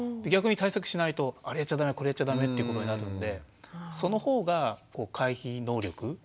逆に対策しないとあれやっちゃダメこれやっちゃダメってことになるんでその方が回避能力